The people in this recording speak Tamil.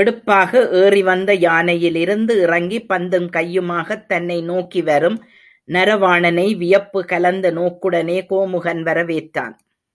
எடுப்பாக ஏறிவந்த யானையிலிருந்து இறங்கி, பந்தும் கையுமாகத் தன்னை நோக்கிவரும் நரவாணனை வியப்பு கலந்த நோக்குடனே கோமுகன் வரவேற்றான்.